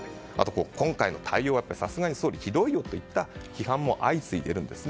今回の対応はさすがに総理、ひどいよといった批判も相次いでいるんです。